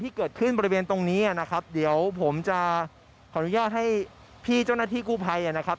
เกิดขึ้นบริเวณตรงนี้นะครับเดี๋ยวผมจะขออนุญาตให้พี่เจ้าหน้าที่กู้ภัยนะครับ